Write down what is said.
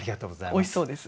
おいしそうです。